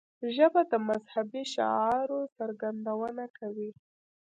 ژبه د مذهبي شعائرو څرګندونه کوي